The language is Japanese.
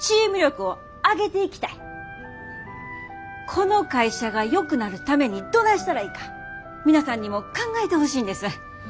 この会社がよくなるためにどないしたらいいか皆さんにも考えてほしいんです。